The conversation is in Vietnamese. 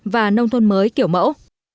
và nông thôn mới kiểu mẫu